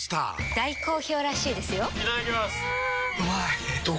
大好評らしいですよんうまい！